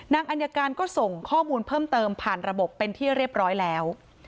อายการก็ส่งข้อมูลเพิ่มเติมผ่านระบบเป็นที่เรียบร้อยแล้ว